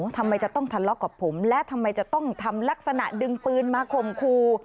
ทำไมจะต้องทะเลาะกับผมและทำไมจะต้องทำลักษณะดึงปืนมาข่มครู